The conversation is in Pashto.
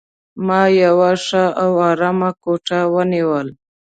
ما یوه ښه او آرامه کوټه ونیول.